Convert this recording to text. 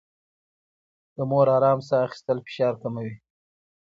د مور ارام ساه اخيستل فشار کموي.